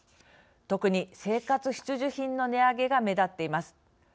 特に生活必需品の値上げが目立っています。